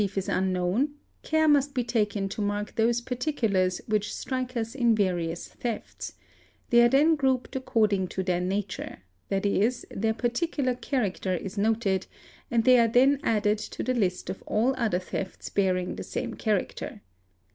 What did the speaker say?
But, if the thief is un 'known, care must be taken to mark those particulars which strike us in yarious thefts; they are then grouped according to their nature, 2.e., their Wr irene ie fe eee ee Lt ee particular character is noted, and they are then added to the list of all ther thefts bearing the same character.